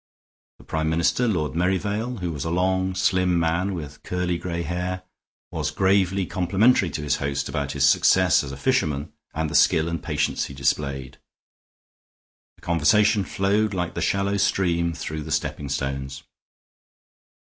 The Prime Minister, Lord Merivale, who was a long, slim man with curly gray hair, was gravely complimentary to his host about his success as a fisherman and the skill and patience he displayed; the conversation flowed like the shallow stream through the stepping stones.